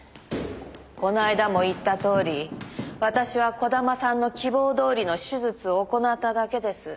この間も言ったとおり私は児玉さんの希望どおりの手術を行っただけです。